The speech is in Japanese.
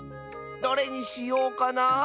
どれにしようかな？